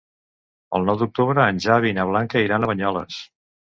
El nou d'octubre en Xavi i na Blanca iran a Banyoles.